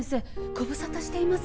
ご無沙汰しています